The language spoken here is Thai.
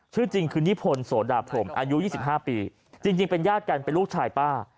ชื่อจริงคือนิพนธ์โสดาพรมอายุ๒๕ปีจริงเป็นญาติกันเป็นลูกชายป้า